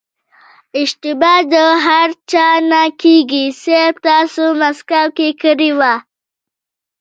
اشتبا د هر چا نه کېږي صيب تاسې مسکو کې کړې وه.